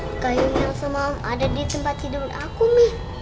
ini kan gayung yang semalam ada di tempat tidur aku mi